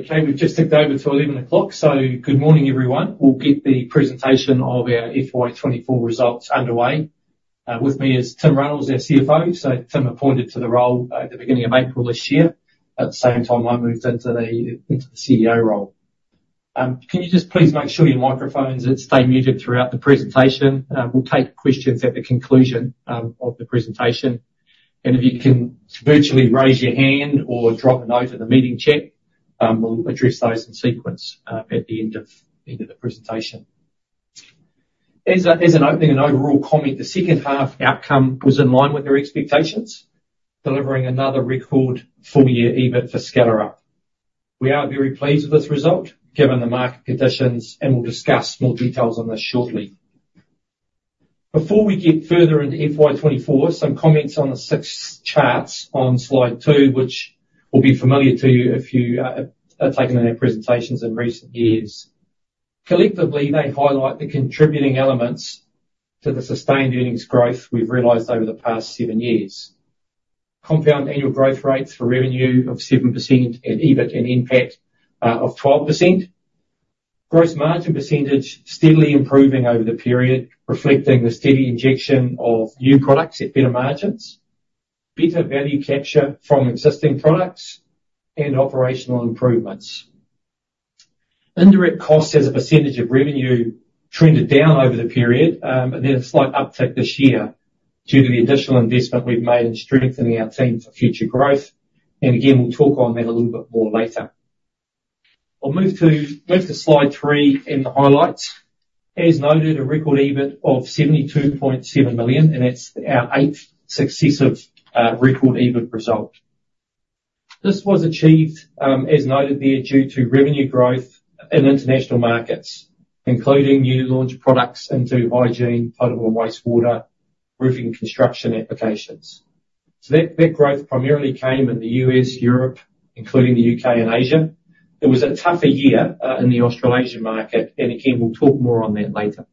Okay, we've just ticked over to 11:00 A.M., so good morning, everyone. We'll get the presentation of our FY 2024 results underway. With me is Tim Runnalls, our CFO. So Tim appointed to the role at the beginning of April this year, at the same time I moved into the CEO role. Can you just please make sure your microphones stay muted throughout the presentation? We'll take questions at the conclusion of the presentation, and if you can virtually raise your hand or drop a note in the meeting chat, we'll address those in sequence at the end of the presentation. As an opening and overall comment, the second half outcome was in line with our expectations, delivering another record full year EBIT for Skellerup. We are very pleased with this result, given the market conditions, and we'll discuss more details on this shortly. Before we get further into FY 2024, some comments on the 6 charts on Slide 2, which will be familiar to you if you have taken in our presentations in recent years. Collectively, they highlight the contributing elements to the sustained earnings growth we've realized over the past 7 years. Compound annual growth rates for revenue of 7% and EBIT and NPAT of 12%. Gross margin percentage steadily improving over the period, reflecting the steady injection of new products at better margins, better value capture from existing products, and operational improvements. Indirect costs as a percentage of revenue trended down over the period, and then a slight uptick this year due to the additional investment we've made in strengthening our team for future growth. And again, we'll talk on that a little bit more later. I'll move to Slide 3 and the highlights. As noted, a record EBIT of 72.7 million, and that's our 8th successive record EBIT result. This was achieved, as noted there, due to revenue growth in international markets, including new launch products into hygiene, potable and wastewater, roofing, construction applications. So that, that growth primarily came in the U.S., Europe, including the U.K. and Asia. It was a tougher year in the Australasian market, and again, we'll talk more on that later.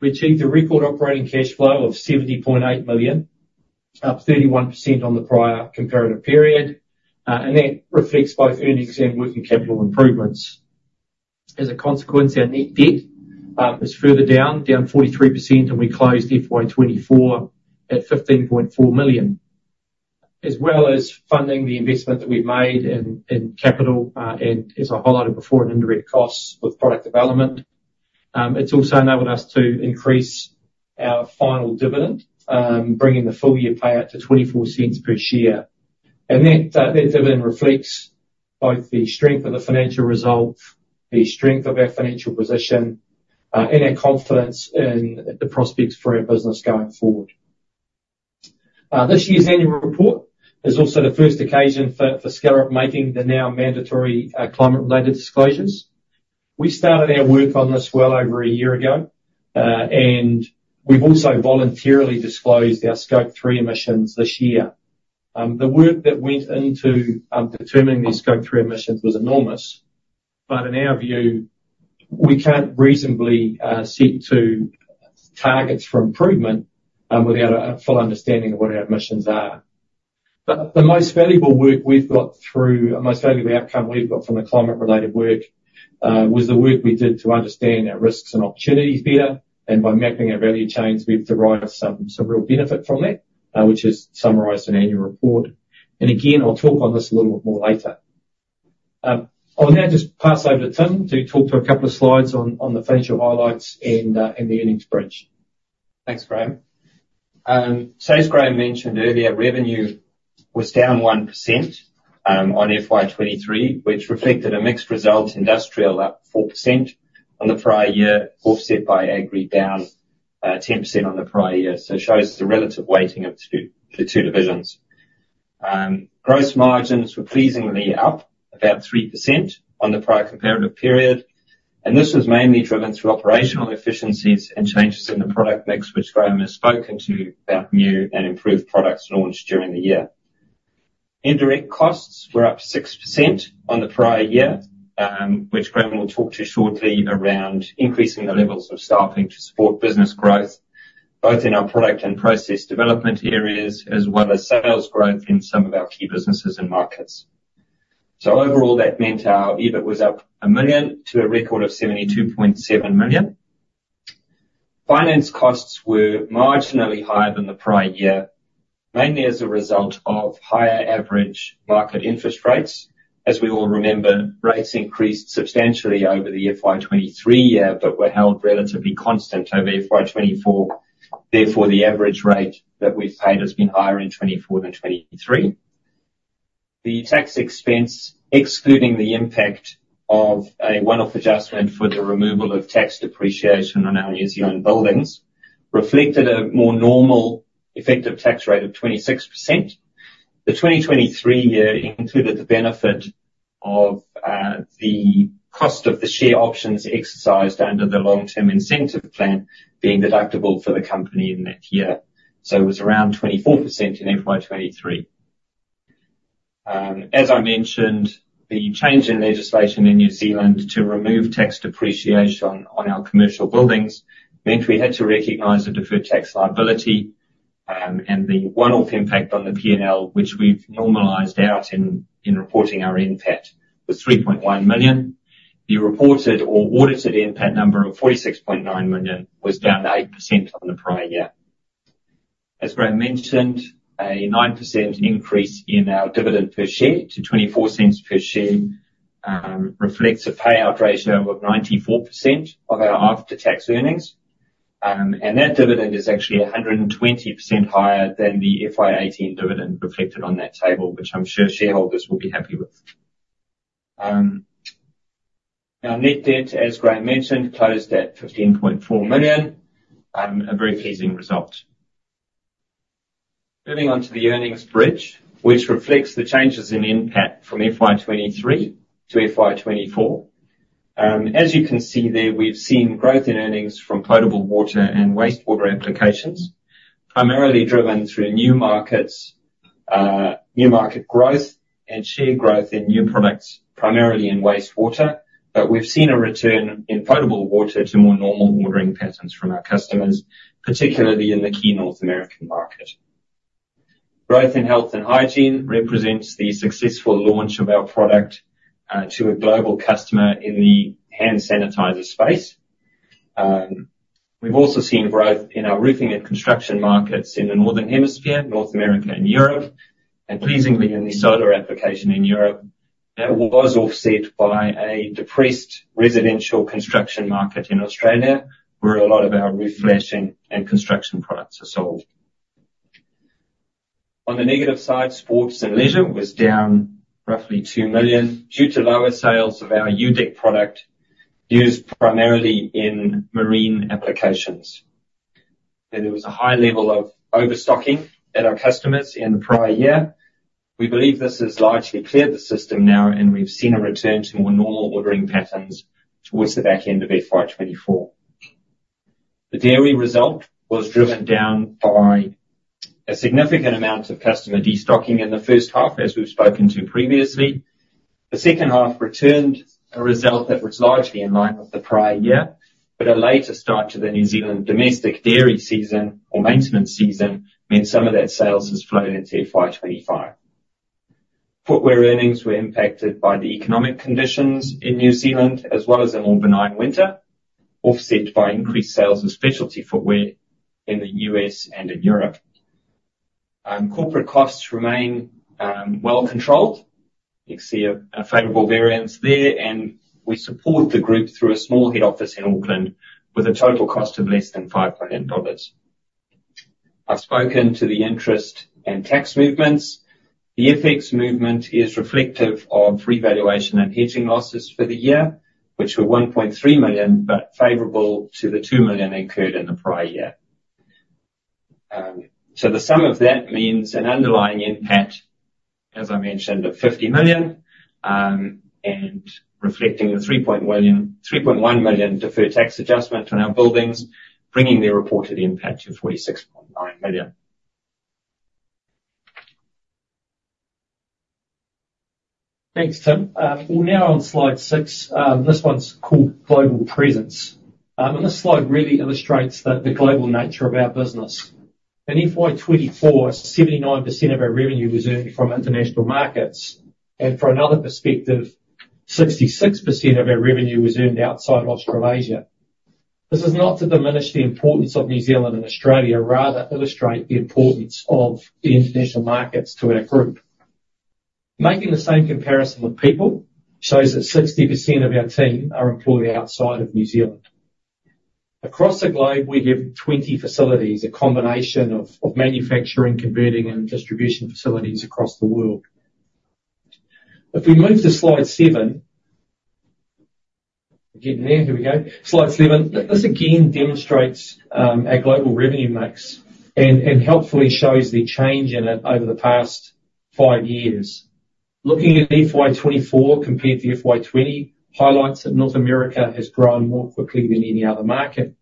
We achieved a record operating cash flow of 70.8 million, up 31% on the prior comparative period, and that reflects both earnings and working capital improvements. As a consequence, our net debt is further down 43%, and we closed FY 2024 at 15.4 million. As well as funding the investment that we've made in capital and as I highlighted before, in indirect costs with product development, it's also enabled us to increase our final dividend, bringing the full year payout to 24 NZD cents per share. And that dividend reflects both the strength of the financial results, the strength of our financial position, and our confidence in the prospects for our business going forward. This year's annual report is also the first occasion for Skellerup making the now mandatory climate-related disclosures. We started our work on this well over a year ago, and we've also voluntarily disclosed our Scope 3 emissions this year. The work that went into determining the Scope 3 emissions was enormous, but in our view, we can't reasonably seek to targets for improvement without a full understanding of what our emissions are. But the most valuable work we've got through, the most valuable outcome we've got from the climate-related work, was the work we did to understand our risks and opportunities better, and by mapping our value chains, we've derived some real benefit from that, which is summarized in the annual report. And again, I'll talk on this a little bit more later. I'll now just pass over to Tim to talk through a couple of Slides on the financial highlights and the earnings bridge. Thanks, Graham. So as Graham mentioned earlier, revenue was down 1% on FY 2023, which reflected a mixed result, Industrial up 4% on the prior year, offset by Agri down 10% on the prior year. So it shows the relative weighting of the two, the two divisions. Gross margins were pleasingly up about 3% on the prior comparative period, and this was mainly driven through operational efficiencies and changes in the product mix, which Graham has spoken to about new and improved products launched during the year. Indirect costs were up 6% on the prior year, which Graham will talk to shortly, around increasing the levels of staffing to support business growth, both in our product and process development areas, as well as sales growth in some of our key businesses and markets. So overall, that meant our EBIT was up 1 million to a record of 72.7 million. Finance costs were marginally higher than the prior year, mainly as a result of higher average market interest rates. As we all remember, rates increased substantially over the FY 2023 year, but were held relatively constant over FY 2024. Therefore, the average rate that we've paid has been higher in 2024 than 2023. The tax expense, excluding the impact of a one-off adjustment for the removal of tax depreciation on our New Zealand buildings, reflected a more normal effective tax rate of 26%. The 2023 year included the benefit of, the cost of the share options exercised under the long-term incentive plan being deductible for the company in that year, so it was around 24% in FY 2023. As I mentioned, the change in legislation in New Zealand to remove tax depreciation on our commercial buildings meant we had to recognize the deferred tax liability, and the one-off impact on the PNL, which we've normalized out in, in reporting our NPAT, was 3.1 million. The reported or audited NPAT number of 46.9 million was down 8% on the prior year. As Graham mentioned, a 9% increase in our dividend per share to 0.24 per share reflects a payout ratio of 94% of our after-tax earnings. And that dividend is actually 120% higher than the FY 2018 dividend reflected on that table, which I'm sure shareholders will be happy with. Our net debt, as Graham mentioned, closed at 15.4 million, a very pleasing result. Moving on to the earnings bridge, which reflects the changes in NPAT from FY 2023 to FY 2024. As you can see there, we've seen growth in earnings from potable water and wastewater applications, primarily driven through new markets, new market growth and share growth in new products, primarily in wastewater. But we've seen a return in potable water to more normal ordering patterns from our customers, particularly in the key North American market. Growth in health and hygiene represents the successful launch of our product to a global customer in the hand sanitizer space. We've also seen growth in our roofing and construction markets in the Northern Hemisphere, North America and Europe, and pleasingly in the solar application in Europe. That was offset by a depressed residential construction market in Australia, where a lot of our roof flashing and construction products are sold. On the negative side, sports and leisure was down roughly 2 million due to lower sales of our U-DEK product, used primarily in marine applications. There was a high level of overstocking at our customers in the prior year. We believe this has largely cleared the system now, and we've seen a return to more normal ordering patterns towards the back end of FY 2024. The dairy result was driven down by a significant amount of customer destocking in the first half, as we've spoken to previously. The second half returned a result that was largely in line with the prior year, but a later start to the New Zealand domestic dairy season or maintenance season, meant some of that sales has flowed into FY 2025. Footwear earnings were impacted by the economic conditions in New Zealand, as well as a more benign winter, offset by increased sales of specialty footwear in the U.S. and in Europe. Corporate costs remain well controlled. You can see a favorable variance there, and we support the group through a small head office in Auckland with a total cost of less than 5 million dollars. I've spoken to the interest and tax movements. The FX movement is reflective of revaluation and hedging losses for the year, which were 1.3 million, but favorable to the 2 million incurred in the prior year. So the sum of that means an underlying NPAT, as I mentioned, of 50 million, and reflecting the 3.1 million deferred tax adjustment on our buildings, bringing the reported NPAT to 46.9 million. Thanks, Tim. We're now on Slide 6. This one's called Global Presence. This Slide really illustrates the global nature of our business. In FY 2024, 79% of our revenue was earned from international markets, and for another perspective, 66% of our revenue was earned outside Australasia. This is not to diminish the importance of New Zealand and Australia, rather illustrate the importance of the international markets to our group. Making the same comparison with people shows that 60% of our team are employed outside of New Zealand. Across the globe, we have 20 facilities, a combination of manufacturing, converting, and distribution facilities across the world. If we move to Slide 7 Getting there, here we go. Slide 7. This again demonstrates our global revenue mix and helpfully shows the change in it over the past five years. Looking at FY 2024 compared to FY 2020, highlights that North America has grown more quickly than any other market.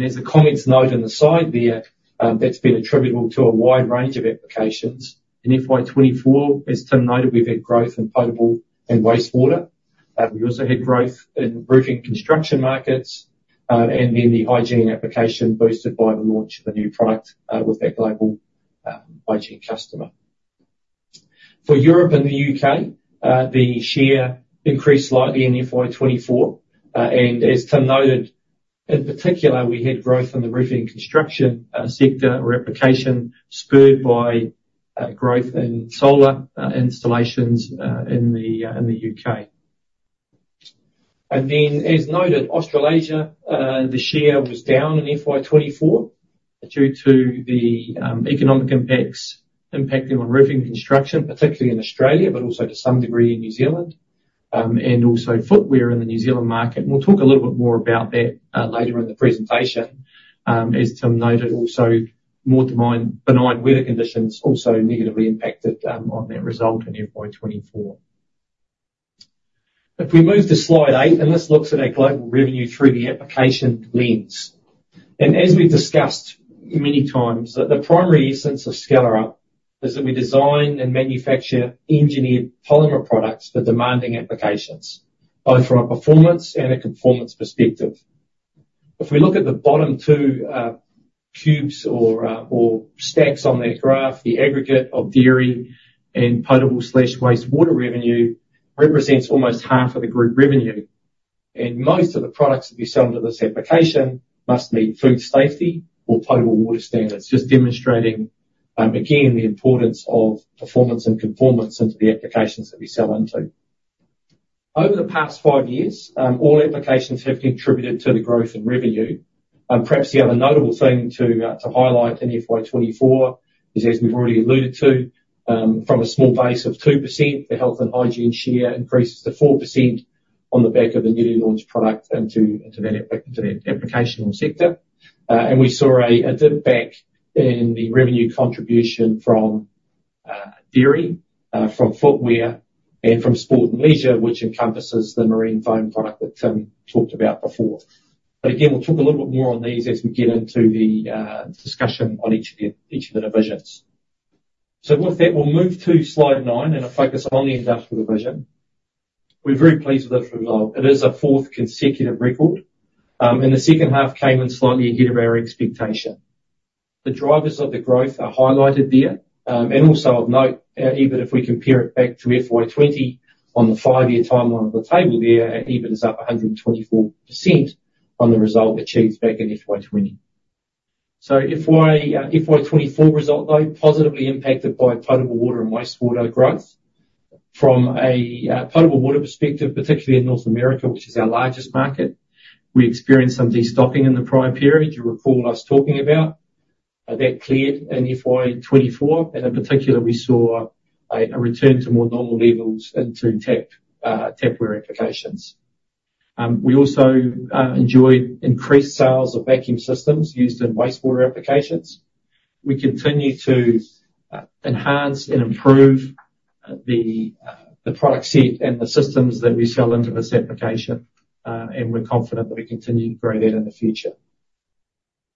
As the comments note on the side there, that's been attributable to a wide range of applications. In FY 2024, as Tim noted, we've had growth in potable and wastewater. We also had growth in roofing construction markets, and in the hygiene application, boosted by the launch of a new product, with our global hygiene customer. For Europe and the U.K., the share increased slightly in FY 2024. As Tim noted, in particular, we had growth in the roofing construction sector application, spurred by growth in solar installations in the UK. And then, as noted, Australasia, the share was down in FY 2024 due to the economic impacts impacting on roofing construction, particularly in Australia, but also to some degree in New Zealand, and also footwear in the New Zealand market. We'll talk a little bit more about that later in the presentation. As Tim noted, also, more benign weather conditions also negatively impacted on that result in FY 2024. If we move to Slide 8, and this looks at our global revenue through the application lens. And as we've discussed many times, the primary essence of Skellerup is that we design and manufacture engineered polymer products for demanding applications, both from a performance and a conformance perspective. If we look at the bottom two cubes or, or stacks on that graph, the aggregate of dairy and potable/wastewater revenue represents almost half of the group revenue, and most of the products that we sell into this application must meet food safety or potable water standards. Just demonstrating, again, the importance of performance and conformance into the applications that we sell into. Over the past five years, all applications have contributed to the growth in revenue. Perhaps the other notable thing to, to highlight in FY 2024 is, as we've already alluded to, from a small base of 2%, the health and hygiene share increases to 4% on the back of a newly launched product into, into that, into that application or sector. And we saw a dip back in the revenue contribution from dairy, from footwear, and from sport and leisure, which encompasses the marine foam product that Tim talked about before. But again, we'll talk a little bit more on these as we get into the discussion on each of the divisions. So with that, we'll move to Slide 9, and a focus on the Industrial Division. We're very pleased with this result. It is a 4th consecutive record, and the second half came in slightly ahead of our expectation. The drivers of the growth are highlighted there, and also of note, even if we compare it back to FY 2020, on the 5-year timeline on the table there, EBIT is up 124% on the result achieved back in FY 2020. So FY 2024 result, though, positively impacted by potable water and wastewater growth. From a potable water perspective, particularly in North America, which is our largest market, we experienced some destocking in the prior period. You'll recall us talking about that cleared in FY 2024, and in particular, we saw a return to more normal levels into tapware applications. We also enjoyed increased sales of vacuum systems used in wastewater applications. We continue to enhance and improve the product set and the systems that we sell into this application, and we're confident that we continue to grow that in the future.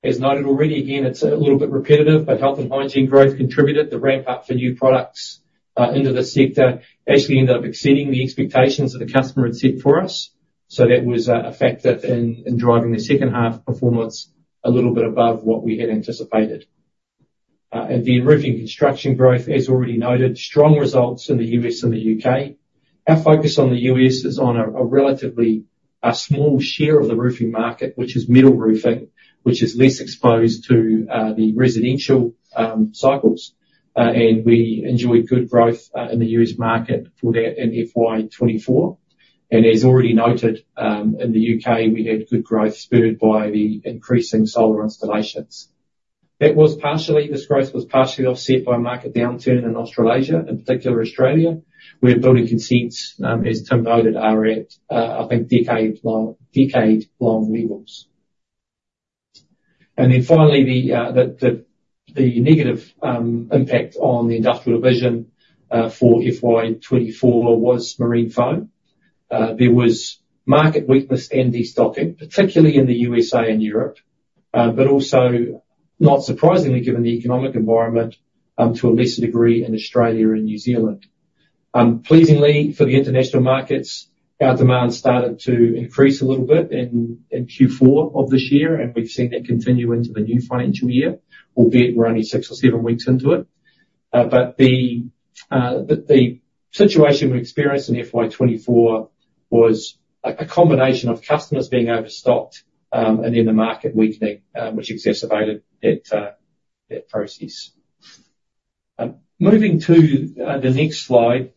As noted already, again, it's a little bit repetitive, but health and hygiene growth contributed. The ramp up for new products, into this sector actually ended up exceeding the expectations that the customer had set for us, so that was, a factor in driving the second half performance a little bit above what we had anticipated. And then roofing construction growth, as already noted, strong results in the U.S. and the U.K. Our focus on the U.S. is on a relatively small share of the roofing market, which is metal roofing, which is less exposed to the residential cycles, and we enjoyed good growth in the U.S. market for that in FY 2024. And as already noted, in the U.K., we had good growth spurred by the increasing solar installations. This growth was partially offset by a market downturn in Australasia, in particular Australia, where building consents, as Tim noted, are at, I think decade-long levels. Then finally, the negative impact on the industrial division for FY 2024 was marine foam. There was market weakness and destocking, particularly in the USA and Europe, but also, not surprisingly given the economic environment, to a lesser degree in Australia and New Zealand. Pleasingly for the international markets, our demand started to increase a little bit in Q4 of this year, and we've seen that continue into the new financial year, albeit we're only six or seven weeks into it. But the situation we experienced in FY 2024 was a combination of customers being overstocked, and then the market weakening, which exacerbated that process. Moving to the next Slide,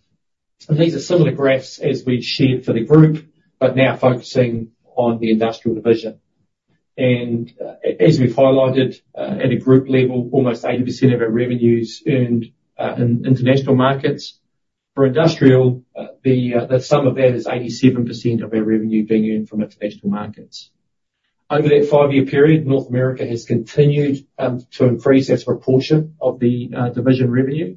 and these are similar graphs as we've shared for the group, but now focusing on the industrial division. As we've highlighted, at a group level, almost 80% of our revenue is earned in international markets. For industrial, the sum of that is 87% of our revenue being earned from international markets. Over that five-year period, North America has continued to increase its proportion of the division revenue,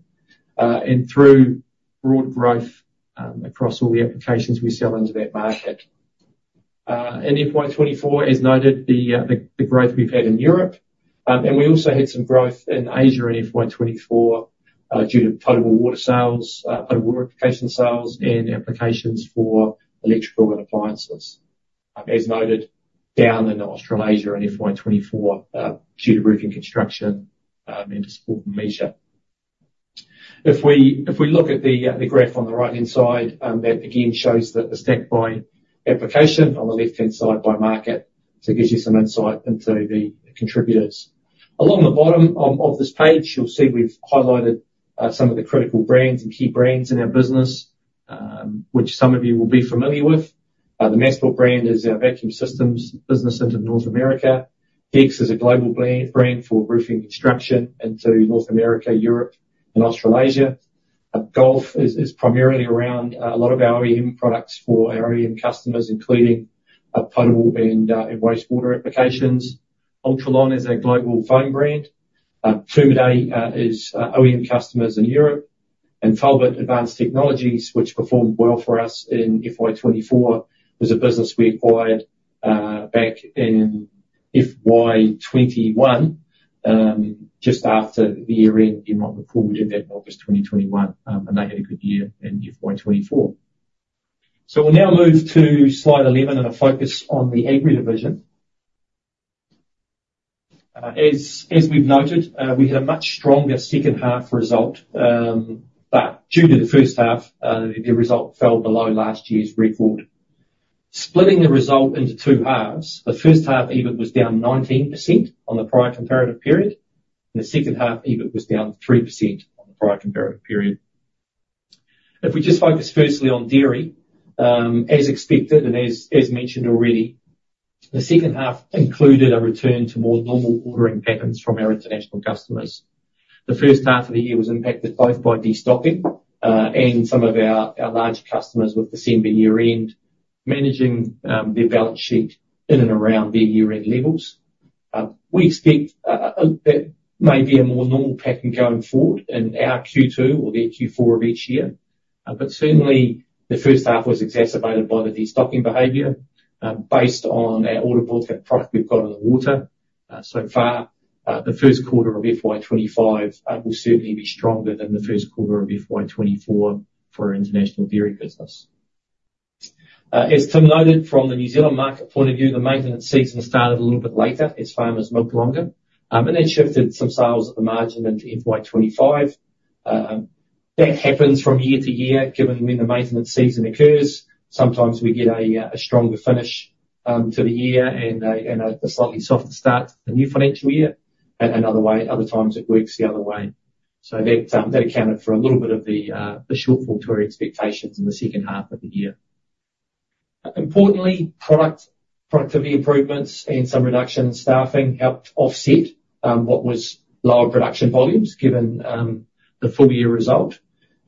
and through broad growth, across all the applications we sell into that market. In FY 2024, as noted, the growth we've had in Europe, and we also had some growth in Asia in FY 2024, due to potable water sales, potable water application sales, and applications for electrical and appliances. As noted, down in Australasia in FY 2024, due to roofing construction into sport and leisure. If we look at the graph on the right-hand side, that again shows that the stack-by application on the left-hand side by market, to give you some insight into the contributors. Along the bottom of this page, you'll see we've highlighted some of the critical brands and key brands in our business, which some of you will be familiar with. The Masport brand is our vacuum systems business into North America. DEKS is a global brand for roofing construction into North America, Europe, and Australasia. Gulf Rubber is primarily around a lot of our OEM products for our OEM customers, including potable and wastewater applications. Ultralon is our global foam brand. Tumedei is OEM customers in Europe. And Talbot Advanced Technologies, which performed well for us in FY 2024, was a business we acquired back in FY 2021, just after the year end in what we called effective August 2021, and they had a good year in FY 2024. So we'll now move to Slide 11 and a focus on the Agri Division. As we've noted, we had a much stronger second half result, but due to the first half, the result fell below last year's record. Splitting the result into two halves, the first half EBIT was down 19% on the prior comparative period, and the second half, EBIT was down 3% on the prior comparative period. If we just focus firstly on dairy, as expected, and as mentioned already, the second half included a return to more normal ordering patterns from our international customers. The first half of the year was impacted both by destocking, and some of our larger customers, with December year-end, managing their balance sheet in and around their year-end levels. We expect that may be a more normal pattern going forward in our Q2 or their Q4 of each year. But certainly, the first half was exacerbated by the destocking behavior, based on our order book, that product we've got in the water. So far, the first quarter of FY 2025 will certainly be stronger than the first quarter of FY 2024 for our international dairy business. As Tim noted, from the New Zealand market point of view, the maintenance season started a little bit later as farmers milked longer and then shifted some sales at the margin into FY 2025. That happens from year to year, given when the maintenance season occurs. Sometimes we get a stronger finish to the year and a slightly softer start to the new financial year, and other times it works the other way. So that accounted for a little bit of the shortfall to our expectations in the second half of the year. Importantly, product productivity improvements and some reduction in staffing helped offset what was lower production volumes, given the full year result.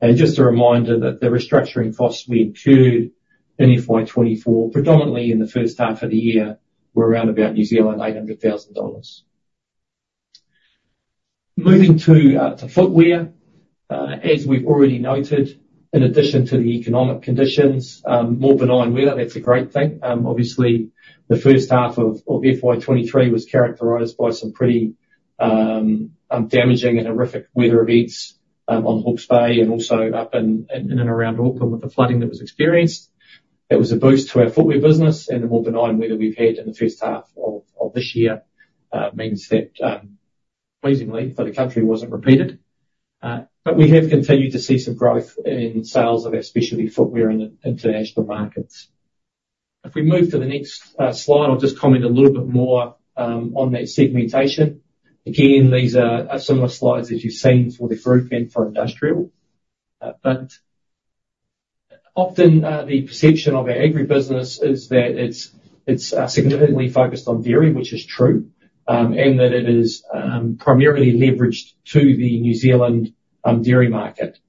Just a reminder that the restructuring costs we incurred in FY 2024, predominantly in the first half of the year, were around about 800,000 dollars. Moving to footwear. As we've already noted, in addition to the economic conditions, more benign weather, that's a great thing. Obviously, the first half of FY 2023 was characterized by some pretty damaging and horrific weather events on Hawke's Bay and also up in and around Auckland, with the flooding that was experienced. It was a boost to our footwear business, and the more benign weather we've had in the first half of this year means that, pleasingly for the country, it wasn't repeated. But we have continued to see some growth in sales of our specialty footwear in the international markets. If we move to the next Slide, I'll just comment a little bit more on that segmentation. Again, these are similar Slides as you've seen for the group and for industrial. But often the perception of our agri business is that it's significantly focused on dairy, which is true, and that it is primarily leveraged to the New Zealand dairy market.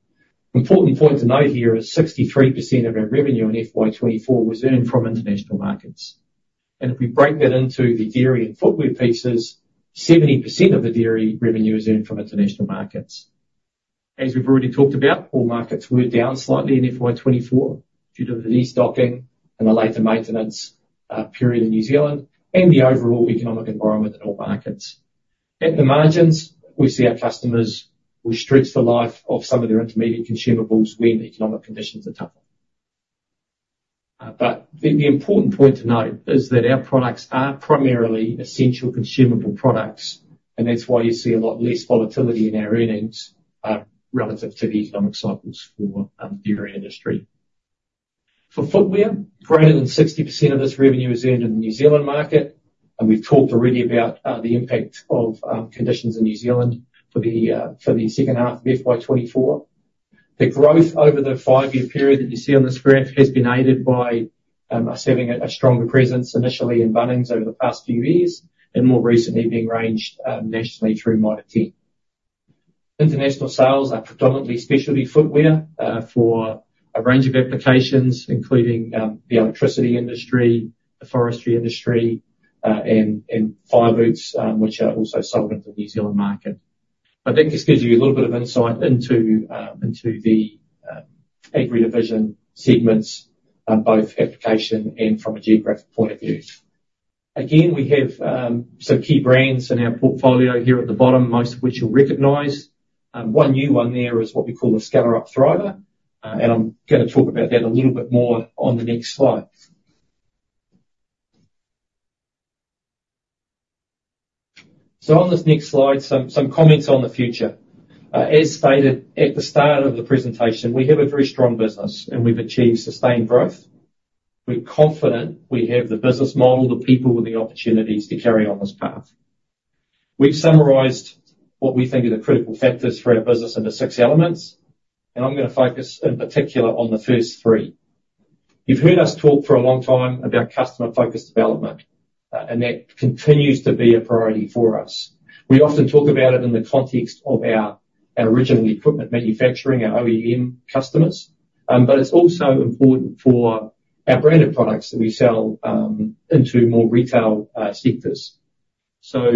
Important point to note here is 63% of our revenue in FY 2024 was earned from international markets, and if we break that into the dairy and footwear pieces, 70% of the dairy revenue is earned from international markets. As we've already talked about, all markets were down slightly in FY 2024 due to the destocking and the later maintenance period in New Zealand, and the overall economic environment in all markets. At the margins, we see our customers will stretch the life of some of their intermediate consumables when economic conditions are tougher. But the important point to note is that our products are primarily essential consumable products, and that's why you see a lot less volatility in our earnings relative to the economic cycles for the dairy industry. For footwear, greater than 60% of this revenue is earned in the New Zealand market, and we've talked already about the impact of conditions in New Zealand for the second half of FY 2024. The growth over the five-year period that you see on this graph has been aided by us having a stronger presence, initially in Bunnings over the past few years, and more recently being ranged nationally through Mitre 10. International sales are predominantly specialty footwear for a range of applications, including the electricity industry, the forestry industry, and fire boots, which are also sold in the New Zealand market. But that just gives you a little bit of insight into the Agri Division segments, both application and from a geographic point of view. Again, we have some key brands in our portfolio here at the bottom, most of which you'll recognize. One new one there is what we call the Skellerup Thriver, and I'm gonna talk about that a little bit more on the next Slide. On this next Slide, some comments on the future. As stated at the start of the presentation, we have a very strong business, and we've achieved sustained growth. We're confident we have the business model, the people, and the opportunities to carry on this path. We've summarized what we think are the critical factors for our business into six elements, and I'm gonna focus in particular on the first three. You've heard us talk for a long time about customer-focused development, and that continues to be a priority for us. We often talk about it in the context of our original equipment manufacturing, our OEM customers, but it's also important for our branded products that we sell into more retail sectors So,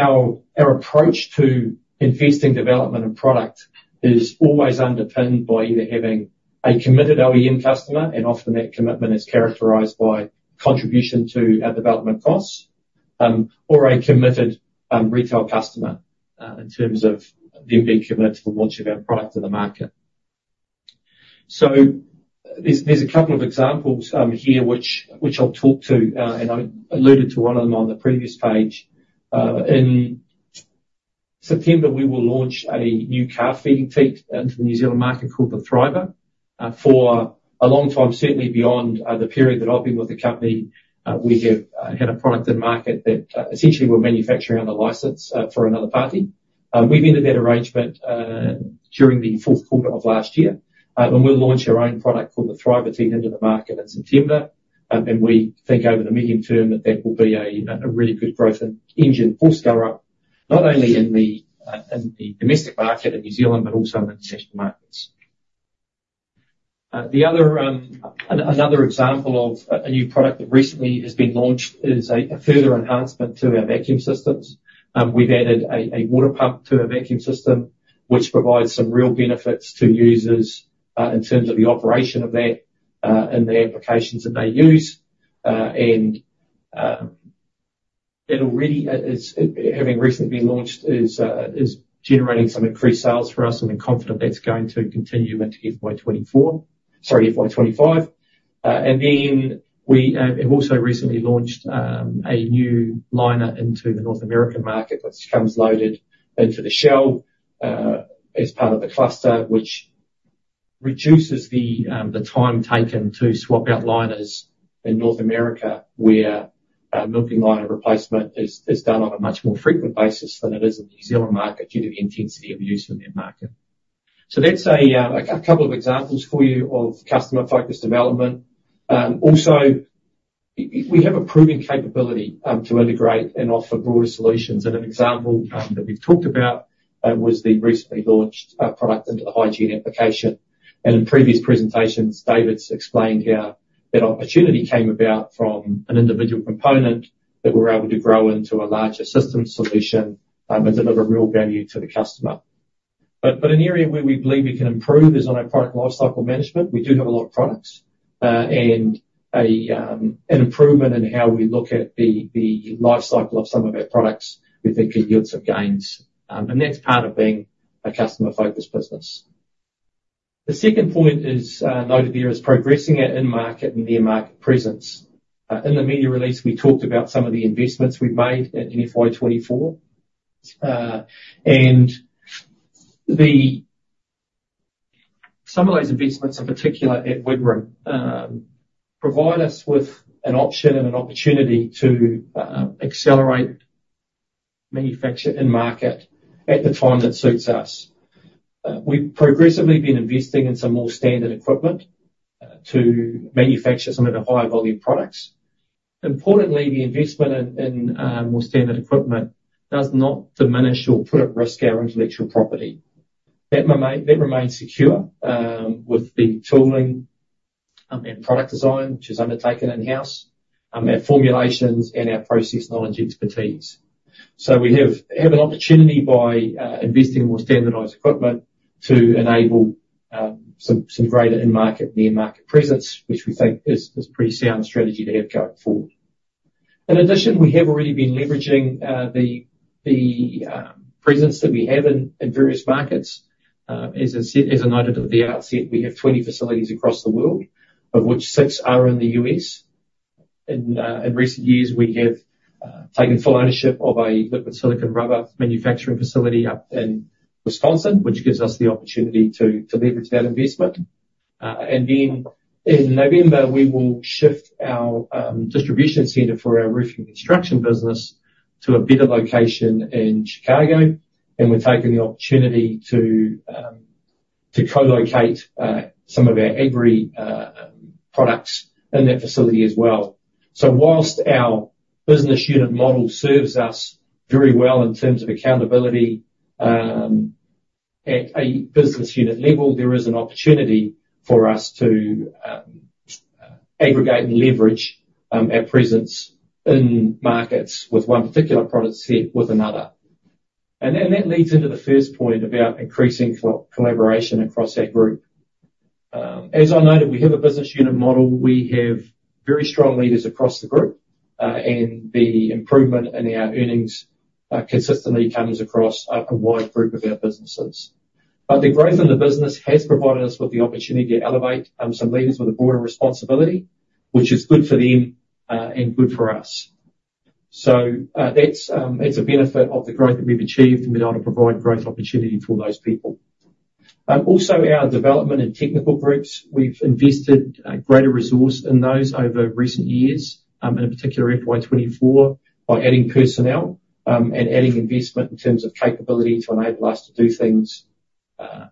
our approach to investing, development, and product is always underpinned by either having a committed OEM customer, and often that commitment is characterized by contribution to our development costs, or a committed retail customer, in terms of them being committed to the launch of our product to the market. So there's a couple of examples here, which I'll talk to, and I alluded to one of them on the previous page. In September, we will launch a new calf feeding teat into the New Zealand market called the Thriver. For a long time, certainly beyond the period that I've been with the company, we have had a product in the market that essentially we're manufacturing on a license for another party. We've ended that arrangement during the fourth quarter of last year. And we'll launch our own product, called the Thriver Teat, into the market in September. And we think over the medium term, that that will be a really good growth engine for Skellerup, not only in the domestic market in New Zealand, but also in the international markets. Another example of a new product that recently has been launched is a further enhancement to our vacuum systems. We've added a water pump to our vacuum system, which provides some real benefits to users in terms of the operation of that in the applications that they use. And it already, having recently been launched, is generating some increased sales for us, and we're confident that's going to continue into FY 2024, sorry, FY 2025. And then we have also recently launched a new liner into the North American market, which comes loaded into the shell as part of the cluster, which reduces the time taken to swap out liners in North America, where milking liner replacement is done on a much more frequent basis than it is in the New Zealand market, due to the intensity of use in that market. So that's a couple of examples for you of customer-focused development. Also, we have a proven capability to integrate and offer broader solutions. And an example that we've talked about was the recently launched product into the hygiene application. In previous presentations, David's explained how that opportunity came about from an individual component that we're able to grow into a larger system solution, and deliver real value to the customer. But an area where we believe we can improve is on our product lifecycle management. We do have a lot of products, and an improvement in how we look at the lifecycle of some of our products, we think can yield some gains, and that's part of being a customer-focused business. The second point is noted there as progressing our in-market and near-market presence. In the media release, we talked about some of the investments we've made in FY 2024. And some of those investments, in particular at Wigram, provide us with an option and an opportunity to accelerate manufacture and market at the time that suits us. We've progressively been investing in some more standard equipment to manufacture some of the higher volume products. Importantly, the investment in more standard equipment does not diminish or put at risk our intellectual property. That remains secure with the tooling and product design, which is undertaken in-house, our formulations and our process knowledge expertise. So we have an opportunity by investing in more standardized equipment to enable some greater in-market and near-market presence, which we think is a pretty sound strategy to have going forward. In addition, we have already been leveraging the presence that we have in various markets. As I said, as I noted at the outset, we have 20 facilities across the world, of which 6 are in the U.S. In recent years, we have taken full ownership of a liquid silicone rubber manufacturing facility up in Wisconsin, which gives us the opportunity to leverage that investment. And then in November, we will shift our distribution center for our roofing and construction business to a better location in Chicago, and we're taking the opportunity to co-locate some of our Agri products in that facility as well. So while our business unit model serves us very well in terms of accountability, at a business unit level, there is an opportunity for us to aggregate and leverage our presence in markets with one particular product set with another. And then that leads into the first point about increasing collaboration across our group. As I noted, we have a business unit model. We have very strong leaders across the group, and the improvement in our earnings consistently comes across a wide group of our businesses. But the growth in the business has provided us with the opportunity to elevate some leaders with a broader responsibility, which is good for them, and good for us. So, that's a benefit of the growth that we've achieved, and been able to provide growth opportunity for those people. Also, our development and technical groups, we've invested a greater resource in those over recent years, and in particular FY 2024, by adding personnel, and adding investment in terms of capability to enable us to do things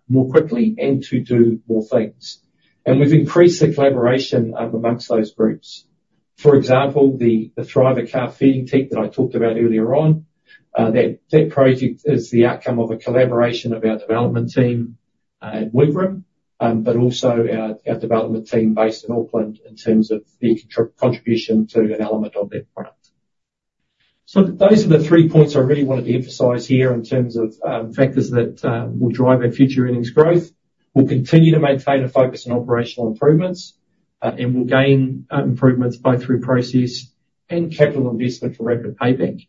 more quickly and to do more things. We've increased the collaboration among those groups. For example, the Thriver calf feeding teat that I talked about earlier on. That project is the outcome of a collaboration of our development team at Wigram, but also our development team based in Auckland, in terms of their contribution to an element of that product. So those are the three points I really wanted to emphasize here in terms of factors that will drive our future earnings growth. We'll continue to maintain a focus on operational improvements, and we'll gain improvements both through process and capital investment for rapid payback.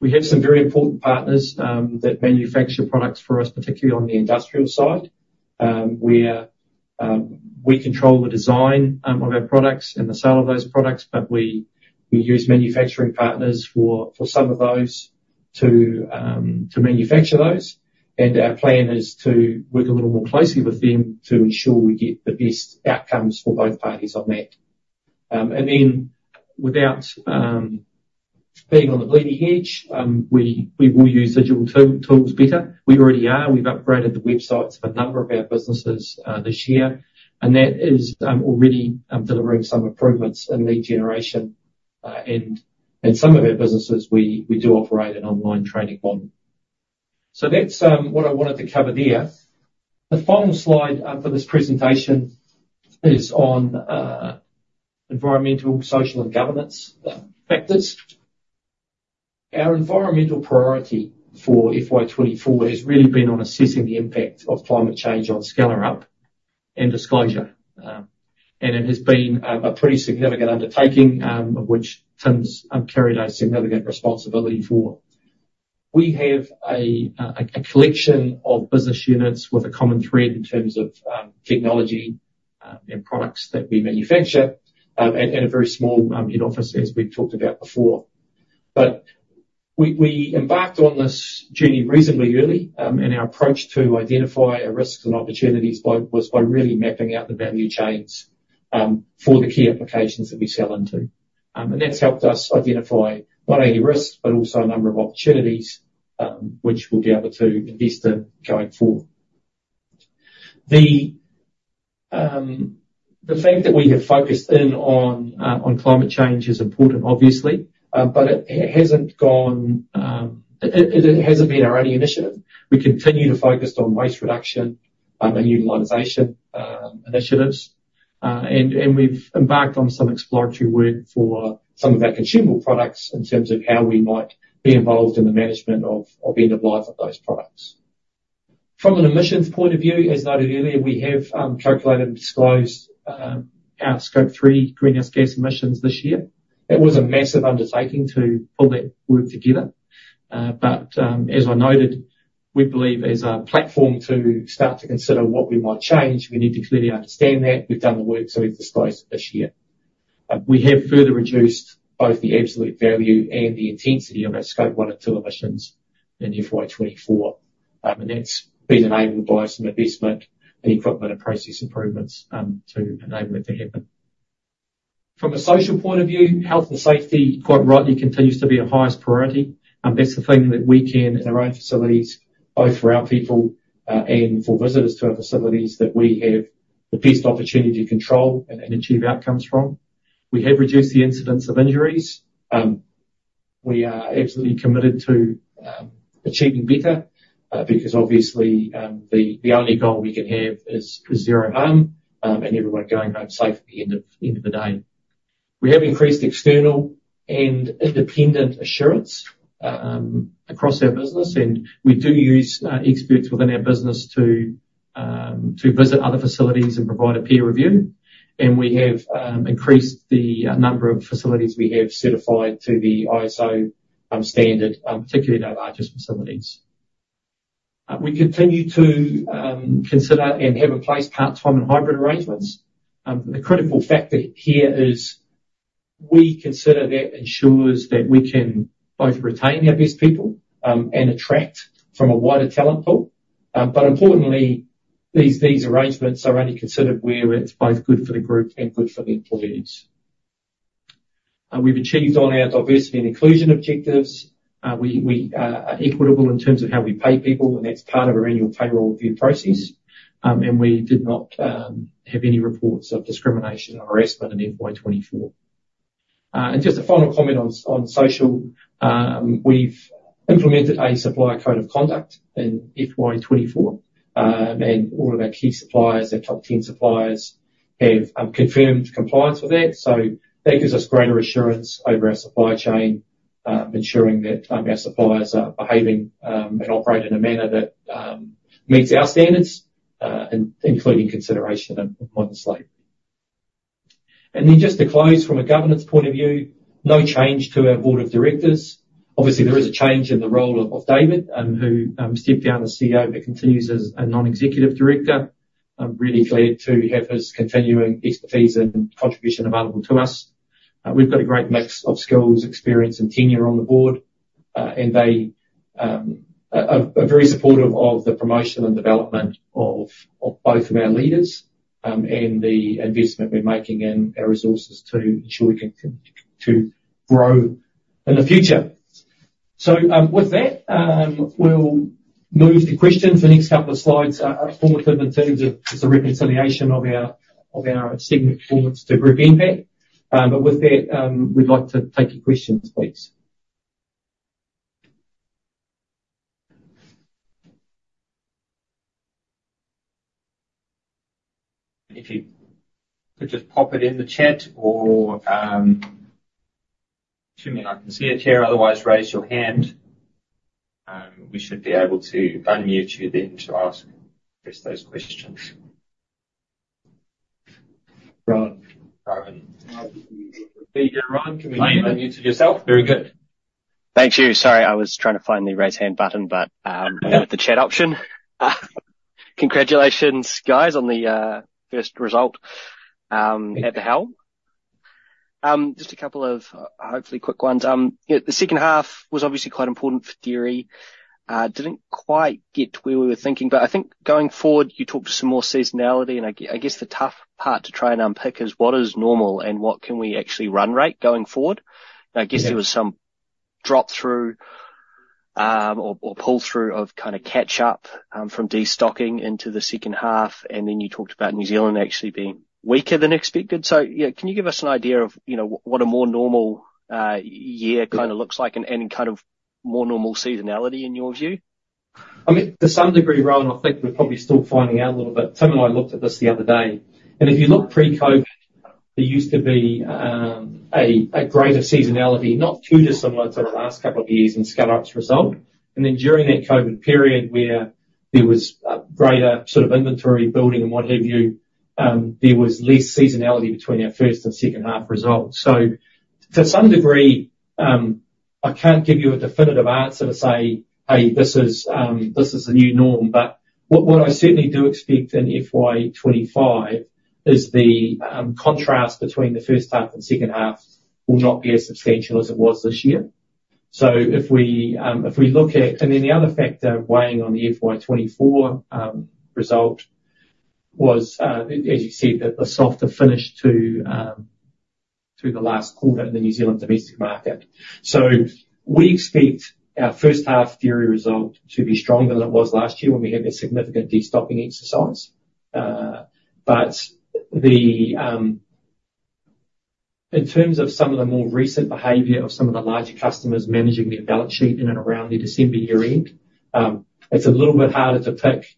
We have some very important partners that manufacture products for us, particularly on the industrial side, where we control the design of our products and the sale of those products, but we use manufacturing partners for some of those to manufacture those. And our plan is to work a little more closely with them to ensure we get the best outcomes for both parties on that. And then without being on the bleeding edge, we will use digital tools better. We already are. We've upgraded the websites of a number of our businesses this year, and that is already delivering some improvements in lead generation. And in some of our businesses, we, we do operate an online trading model. So that's what I wanted to cover there. The final Slide for this presentation is on environmental, social, and governance factors. Our environmental priority for FY 2024 has really been on assessing the impact of climate change on Skellerup and disclosure. And it has been a pretty significant undertaking of which Tim's carried a significant responsibility for. We have a collection of business units with a common thread in terms of technology and products that we manufacture and a very small head office, as we've talked about before. But we embarked on this journey reasonably early, and our approach to identify our risks and opportunities was by really mapping out the value chains for the key applications that we sell into. And that's helped us identify not only risks, but also a number of opportunities, which we'll be able to invest in going forward. The fact that we have focused in on climate change is important, obviously, but it hasn't been our only initiative. We continue to focus on waste reduction and utilization initiatives. And we've embarked on some exploratory work for some of our consumable products, in terms of how we might be involved in the management of end of life of those products. From an emissions point of view, as noted earlier, we have calculated and disclosed our Scope 3 greenhouse gas emissions this year. It was a massive undertaking to pull that work together, but as I noted, we believe as a platform to start to consider what we might change, we need to clearly understand that. We've done the work, so we've disclosed this year. We have further reduced both the absolute value and the intensity of our Scope 1 and 2 emissions in FY 2024. And that's been enabled by some investment in equipment and process improvements to enable it to happen. From a social point of view, health and safety, quite rightly, continues to be our highest priority, and that's the thing that we can, in our own facilities, both for our people and for visitors to our facilities, that we have the best opportunity to control and achieve outcomes from. We have reduced the incidence of injuries. We are absolutely committed to achieving better, because obviously, the only goal we can have is zero harm, and everyone going home safe at the end of the day. We have increased external and independent assurance across our business, and we do use experts within our business to visit other facilities and provide a peer review. We have increased the number of facilities we have certified to the ISO standard, particularly in our largest facilities. We continue to consider and have in place part-time and hybrid arrangements. The critical factor here is we consider that ensures that we can both retain our best people and attract from a wider talent pool. But importantly, these arrangements are only considered where it's both good for the group and good for the employees. We've achieved on our diversity and inclusion objectives. We are equitable in terms of how we pay people, and that's part of our annual payroll review process. And we did not have any reports of discrimination or harassment in FY 2024. Just a final comment on social. We've implemented a supplier code of conduct in FY 2024, and all of our key suppliers, our top 10 suppliers, have confirmed compliance with that. So that gives us greater assurance over our supply chain, ensuring that our suppliers are behaving and operate in a manner that meets our standards, including consideration of modern slavery. And then just to close, from a governance point of view, no change to our board of directors. Obviously, there is a change in the role of David, who stepped down as CEO, but continues as a non-executive director. I'm really glad to have his continuing expertise and contribution available to us. We've got a great mix of skills, experience, and tenure on the board, and they are very supportive of the promotion and development of both of our leaders, and the investment we're making in our resources to ensure we can continue to grow in the future. So, with that, we'll move to questions. The next couple of Slides are formative in terms of just the reconciliation of our segment performance to group impact. But with that, we'd like to take your questions, please. If you could just pop it in the chat or, assuming I can see it here, otherwise, raise your hand, we should be able to unmute you then to ask those questions. Rohan. There you go, Rohan, can you unmute yourself? Very good. Thank you. Sorry, I was trying to find the raise hand button, but went with the chat option. Congratulations, guys, on the first result at the helm. Just a couple of hopefully quick ones. You know, the second half was obviously quite important for dairy. Didn't quite get where we were thinking, but I think going forward, you talked to some more seasonality, and I guess the tough part to try and unpick is what is normal and what can we actually run rate going forward? Yeah. I guess there was some drop through or pull through of kind of catch up from destocking into the second half, and then you talked about New Zealand actually being weaker than expected. So, yeah, can you give us an idea of, you know, what a more normal year Yeah kind of looks like and, and kind of more normal seasonality in your view? I mean, to some degree, Rohan, I think we're probably still finding out a little bit. Tim and I looked at this the other day, and if you look pre-COVID, there used to be a greater seasonality, not too dissimilar to the last couple of years in Skellerup's result. And then during that COVID period, where there was a greater sort of inventory building and what have you, there was less seasonality between our first and second half results. So to some degree, I can't give you a definitive answer to say, "Hey, this is the new norm." But what I certainly do expect in FY 2025 is the contrast between the first half and second half will not be as substantial as it was this year. And then the other factor weighing on the FY 2024 result was, as you said, that the softer finish to the last quarter in the New Zealand domestic market. So we expect our first half dairy result to be stronger than it was last year when we had a significant destocking exercise. But in terms of some of the more recent behavior of some of the larger customers managing their balance sheet in and around the December year-end, it's a little bit harder to pick,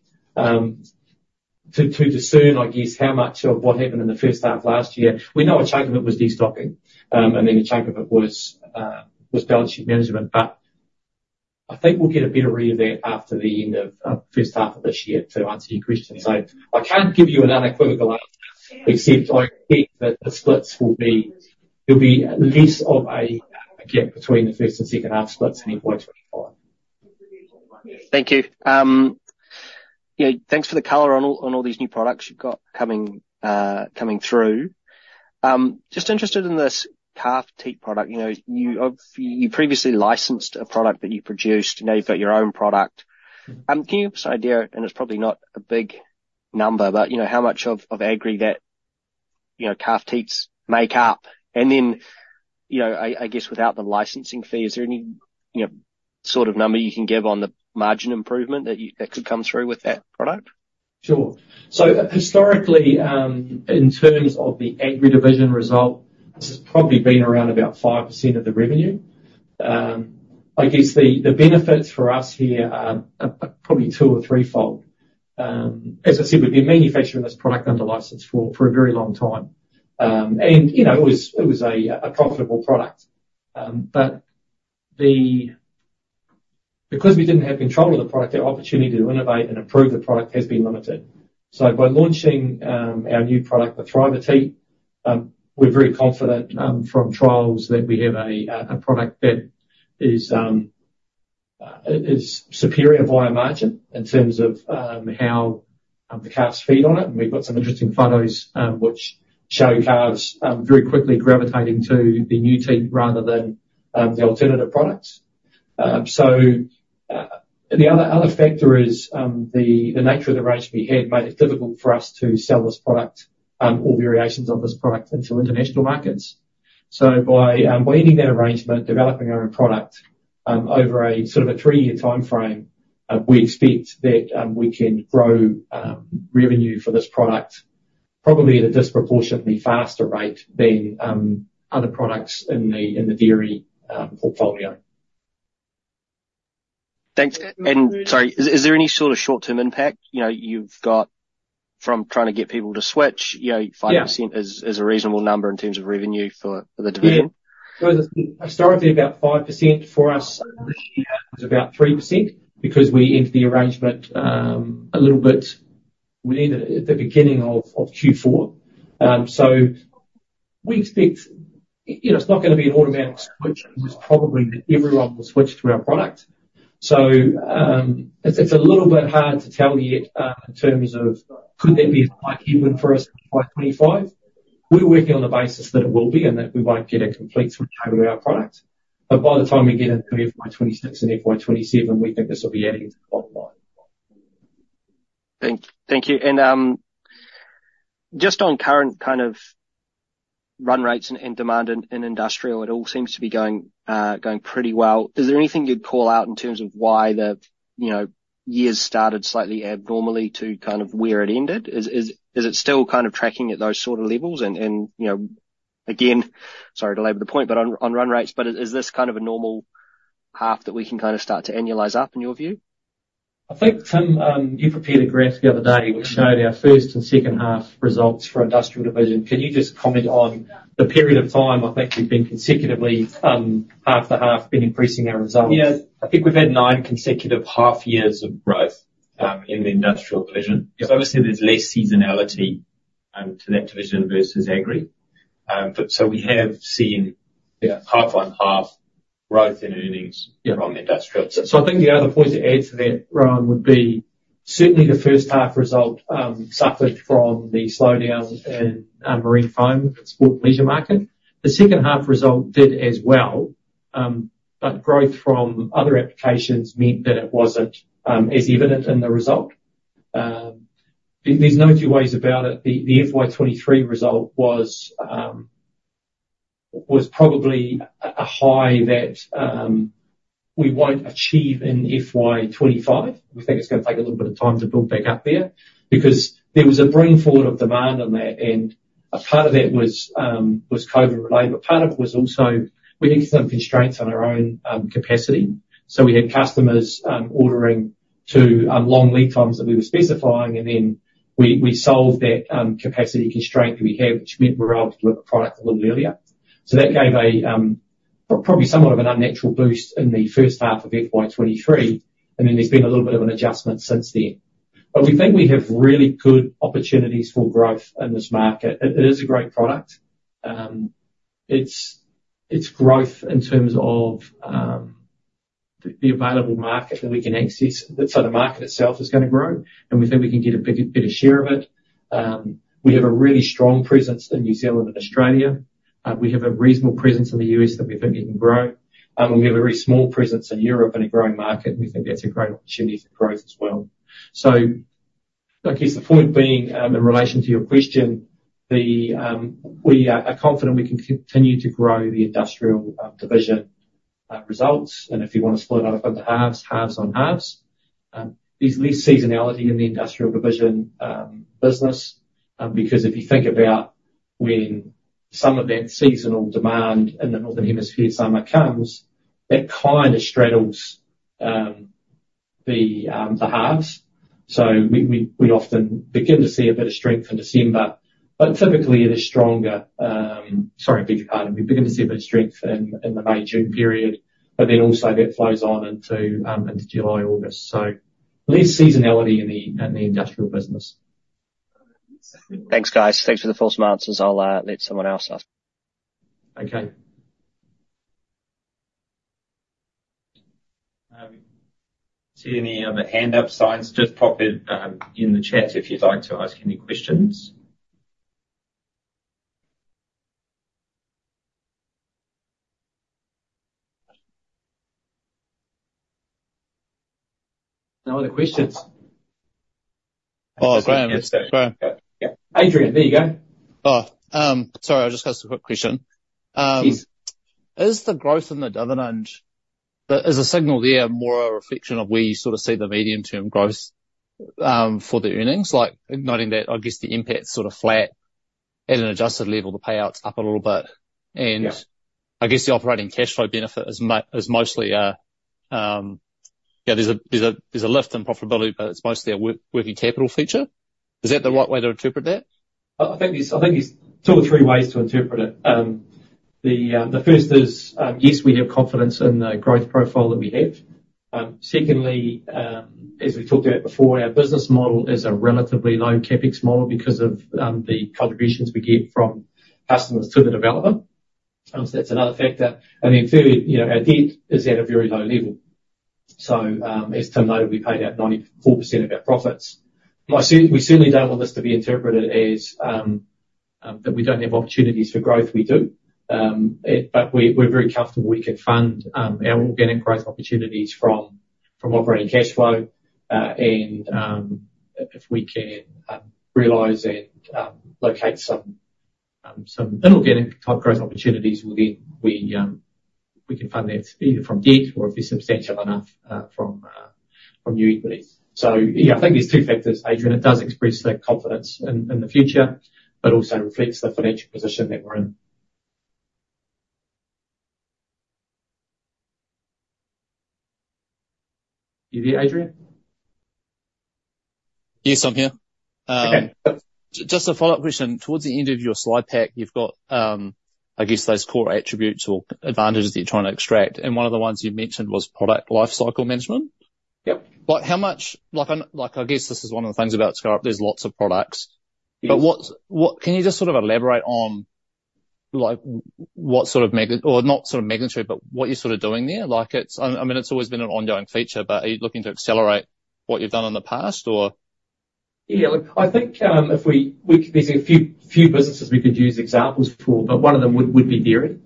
to discern, I guess, how much of what happened in the first half of last year. We know a chunk of it was destocking, and then a chunk of it was balance sheet management. But I think we'll get a better read of that after the end of first half of this year, to answer your question. So I can't give you an unequivocal answer, except I think that the splits will be, there'll be less of a gap between the first and second half splits in FY 2025. Thank you. Yeah, thanks for the color on all, on all these new products you've got coming, coming through. Just interested in this calf teat product. You know, you previously licensed a product that you produced, now you've got your own product. Can you give us an idea, and it's probably not a big number, but you know, how much of agri that calf teats make up? And then, you know, I guess without the licensing fee, is there any, you know, sort of number you can give on the margin improvement that could come through with that product? Sure. So historically, in terms of the Agri Division result, this has probably been around about 5% of the revenue. I guess the benefits for us here are probably two or threefold. As I said, we've been manufacturing this product under license for a very long time. And, you know, it was a profitable product. Because we didn't have control of the product, the opportunity to innovate and improve the product has been limited. So by launching our new product, the Thriver teat, we're very confident from trials that we have a product that is superior by a margin in terms of how the calves feed on it. And we've got some interesting photos, which show calves very quickly gravitating to the new teat rather than the alternative products. So, the other, other factor is the nature of the arrangement we had made it difficult for us to sell this product or variations of this product into international markets. So by waiving that arrangement, developing our own product over a sort of a 3-year timeframe, we expect that we can grow revenue for this product probably at a disproportionately faster rate than other products in the dairy portfolio. Thanks. And sorry, is there any sort of short-term impact? You know, you've got from trying to get people to switch, you know Yeah 5% is a reasonable number in terms of revenue for the division. Yeah. Historically, about 5% for us, was about 3% because we ended the arrangement a little bit. We ended it at the beginning of Q4. So we expect you know, it's not going to be an automatic switch, and it's probably that everyone will switch to our product. So it's a little bit hard to tell yet in terms of could that be a highlight for us by 2025? We're working on the basis that it will be, and that we won't get a complete switch over to our product, but by the time we get into FY 2026 and FY 2027, we think this will be adding to the bottom line. Thank you. And just on current kind of run rates and demand in industrial, it all seems to be going pretty well. Is there anything you'd call out in terms of why the, you know, year's started slightly abnormally to kind of where it ended? Is it still kind of tracking at those sort of levels? And you know, again, sorry to labor the point, but on run rates, is this kind of a normal half that we can kind of start to annualize up, in your view? I think, Tim, you prepared a graph the other day which showed our first and second half results for industrial division. Can you just comment on the period of time? I think we've been consecutively, half to half been increasing our results. Yeah, I think we've had nine consecutive half years of growth in the industrial division. Yeah. So obviously, there's less seasonality to that division versus agri. But so we have seen Yeah half-on-half growth in earnings Yeah from industrial. So I think the other point to add to that, Rohan, would be certainly the first half result suffered from the slowdown in marine foam and sport leisure market. The second half result did as well, but growth from other applications meant that it wasn't as evident in the result. There's no two ways about it, the FY 2023 result was probably a high that we won't achieve in FY 2025. We think it's gonna take a little bit of time to build back up there. Because there was a bring forward of demand on that, and a part of that was COVID-related, but part of it was also we had some constraints on our own capacity. So we had customers ordering to long lead times that we were specifying, and then we, we solved that capacity constraint that we had, which meant we were able to deliver product a little earlier. So that gave a probably somewhat of an unnatural boost in the first half of FY 2023, and then there's been a little bit of an adjustment since then. But we think we have really good opportunities for growth in this market. It, it is a great product. It's, it's growth in terms of the, the available market that we can access. So the market itself is gonna grow, and we think we can get a bigger, better share of it. We have a really strong presence in New Zealand and Australia. We have a reasonable presence in the U.S. that we think we can grow. And we have a very small presence in Europe, in a growing market, and we think that's a great opportunity for growth as well. So I guess the point being, in relation to your question, we are confident we can continue to grow the industrial division results. And if you want to split it up into halves on halves, there's less seasonality in the industrial division business. Because if you think about when some of that seasonal demand in the Northern Hemisphere summer comes, that kind of straddles the halves. So we often begin to see a bit of strength in December, but typically it is stronger. Sorry, beg your pardon. We begin to see a bit of strength in the May-June period, but then also that flows on into July, August. So less seasonality in the industrial business. Thanks, guys. Thanks for the full answers. I'll let someone else ask. Okay. See any other hand up signs? Just pop it in the chat if you'd like to ask any questions. No other questions. Oh, go ahead, go. Yeah. Adrian, there you go. Oh, sorry, I just have a quick question. Please. Is the growth in the dividend a signal there more a reflection of where you sort of see the medium-term growth for the earnings? Like, noting that I guess the impact's sort of flat. At an adjusted level, the payout's up a little bit. Yeah. And I guess the operating cash flow benefit is mostly a, yeah, there's a lift in profitability, but it's mostly a working capital feature. Is that the right way to interpret that? I think there's two or three ways to interpret it. The first is, yes, we have confidence in the growth profile that we have. Secondly, as we talked about before, our business model is a relatively low CapEx model because of the contributions we get from customers to the development. So that's another factor. And then thirdly, you know, our debt is at a very low level. So, as Tim noted, we paid out 94% of our profits. I certainly don't want this to be interpreted as that we don't have opportunities for growth. We do. But we, we're very comfortable we can fund our organic growth opportunities from operating cash flow. And, if we can realize and locate some some inorganic type growth opportunities, well then, we we can fund that either from debt or, if they're substantial enough, from new equities. So yeah, I think there's two factors, Adrian. It does express the confidence in the future, but also reflects the financial position that we're in. You there, Adrian? Yes, I'm here. Okay. Just a follow-up question. Toward the end of your slide pack, you've got, I guess those core attributes or advantages that you're trying to extract, and one of the ones you've mentioned was product lifecycle management. Yep. Like, I guess this is one of the things about Skellerup. There's lots of products. Yes. But what can you just sort of elaborate on, like, what sort of magnitude or not sort of magnitude, but what you're sort of doing there? Like, it's, I mean, it's always been an ongoing feature, but are you looking to accelerate what you've done in the past, or? Yeah, look, I think, if we, there's a few businesses we could use examples for, but one of them would be Dairy.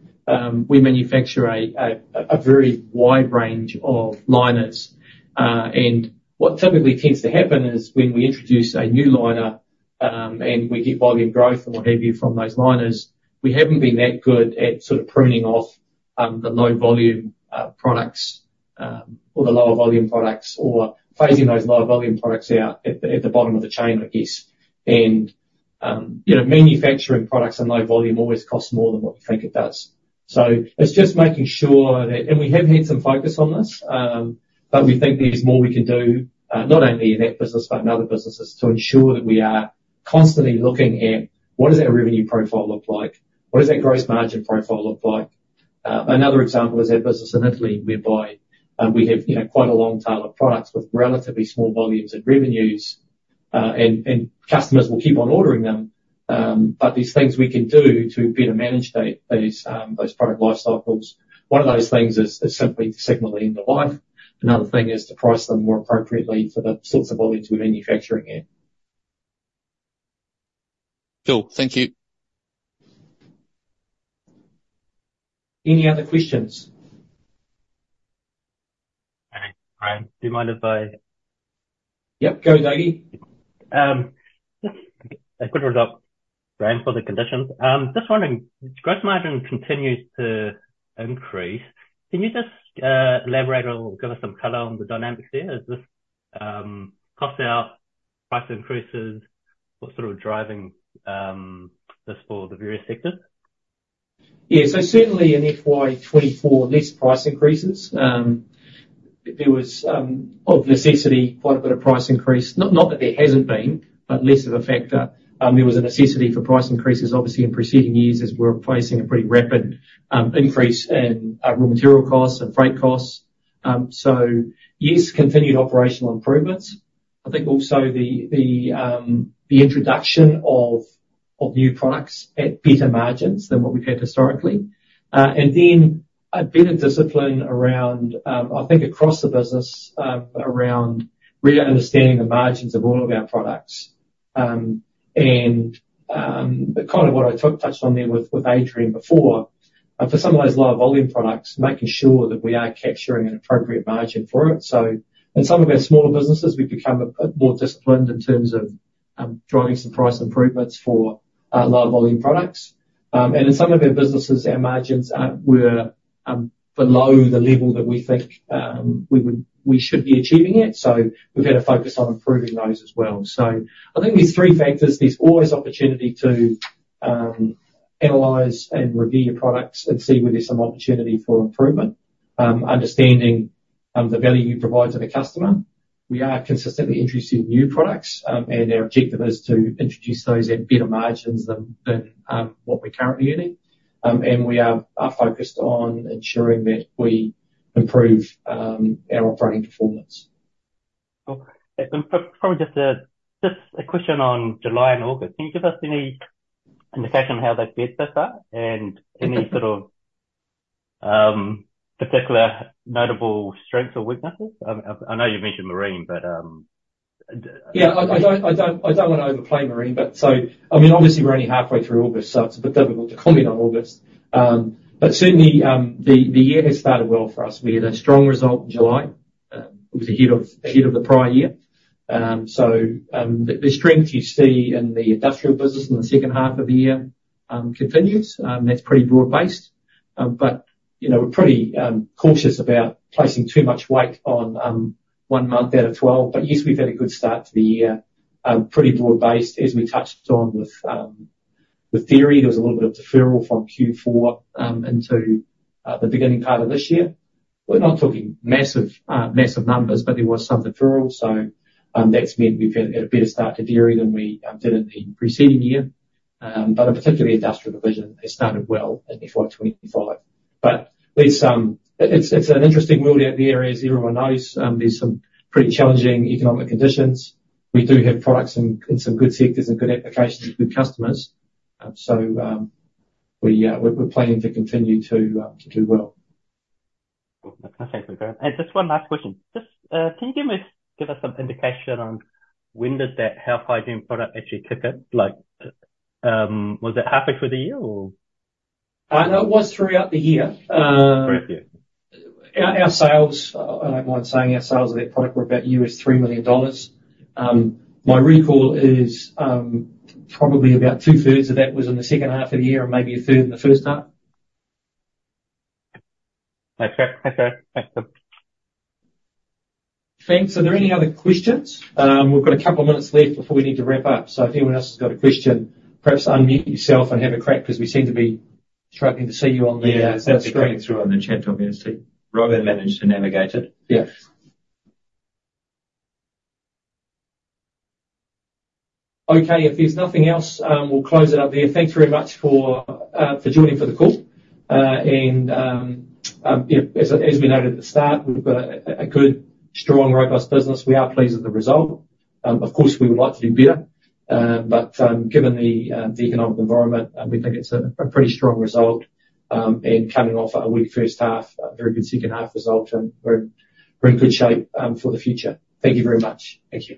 We manufacture a very wide range of liners, and what typically tends to happen is, when we introduce a new liner, and we get volume growth and what have you from those liners, we haven't been that good at sort of pruning off, the low-volume products, or the lower volume products, or phasing those lower volume products out at the bottom of the chain, I guess. And, you know, manufacturing products in low volume always costs more than what you think it does. So it's just making sure that, and we have had some focus on this, but we think there's more we can do, not only in that business but in other businesses, to ensure that we are constantly looking at what does that revenue profile look like? What does that gross margin profile look like? Another example is our business in Italy, whereby, we have, you know, quite a long tail of products with relatively small volumes and revenues. And, and customers will keep on ordering them, but there's things we can do to better manage the, those, those product life cycles. One of those things is, is simply to signal the end of life. Another thing is to price them more appropriately for the sorts of volumes we're manufacturing in. Cool. Thank you. Any other questions? Hi, Graham. Do you mind if I Yep, go Zaggy. A good result, Graham, for the conditions. Just wondering, gross margin continues to increase. Can you just elaborate or give us some color on the dynamics there? Is this cost out, price increases, what's sort of driving this for the various sectors? Yeah. So certainly in FY 2024, less price increases. There was, of necessity, quite a bit of price increase. Not, not that there hasn't been, but less of a factor. There was a necessity for price increases, obviously, in preceding years as we're facing a pretty rapid increase in raw material costs and freight costs. So yes, continued operational improvements. I think also the introduction of new products at better margins than what we've had historically. And then a better discipline around, I think across the business, around really understanding the margins of all of our products. And kind of what I touched on there with Adrian before, for some of those lower volume products, making sure that we are capturing an appropriate margin for it. So in some of our smaller businesses, we've become a bit more disciplined in terms of driving some price improvements for low volume products. And in some of our businesses, our margins were below the level that we think we would-- we should be achieving it, so we're going to focus on improving those as well. So I think there's three factors. There's always opportunity to analyze and review your products and see where there's some opportunity for improvement. Understanding the value you provide to the customer. We are consistently introducing new products, and our objective is to introduce those at better margins than what we're currently earning. And we are focused on ensuring that we improve our operating performance. Cool. And probably just a question on July and August. Can you give us any indication on how they've fared so far, and any sort of particular notable strengths or weaknesses? I know you mentioned Marine, but Yeah, I don't want to overplay Marine, but, I mean, obviously we're only halfway through August, so it's a bit difficult to comment on August. But certainly, the year has started well for us. We had a strong result in July, it was ahead of the prior year. So, the strength you see in the industrial business in the second half of the year continues. That's pretty broad-based. But, you know, we're pretty cautious about placing too much weight on one month out of 12. But yes, we've had a good start to the year. Pretty broad-based, as we touched on with dairy, there was a little bit of deferral from Q4 into the beginning part of this year. We're not talking massive, massive numbers, but there was some deferral, so that's meant we've had a better start to dairy than we did in the preceding year. But particularly the industrial division has started well in FY 2025. But there's some. It's an interesting world out there, as everyone knows. There's some pretty challenging economic conditions. We do have products in some good sectors and good applications with good customers. So, we're planning to continue to do well. Cool. That's okay, great. Just one last question. Just, can you give me, give us some indication on when did that health hygiene product actually kick in? Like, was it halfway through the year, or? No, it was throughout the year. Throughout the year. Our sales, I don't mind saying our sales of that product were about $3 million. My recall is, probably about 2/3 of that was in the second half of the year and maybe a third in the first half. Okay. Okay, thanks. Thanks. Are there any other questions? We've got a couple of minutes left before we need to wrap up, so if anyone else has got a question, perhaps unmute yourself and have a crack, 'cause we seem to be struggling to see you on the screen. Yeah, it's not coming through on the chat obviously. Rowan managed to navigate it. Yeah. Okay, if there's nothing else, we'll close it out there. Thanks very much for for joining for the call. And yeah, as as we noted at the start, we've got a good, strong, robust business. We are pleased with the result. Of course, we would like to do better, but given the the economic environment, we think it's a pretty strong result. And coming off a weak first half, a very good second half result, and we're in very good shape for the future. Thank you very much. Thank you.